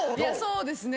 そうですね。